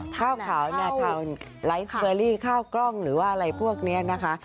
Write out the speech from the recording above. ข้าวขาวเนี่ยไลฟ์เฟอรี่ข้าวกล้องหรือว่าอะไรพวกนี้นะคะ